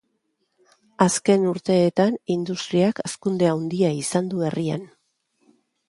Azken urteetan industriak hazkunde handia izan du herrian.